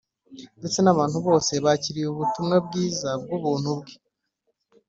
ndetse n’abantu bose bakiriye ubutumwa bwiza bw’ubuntu bwe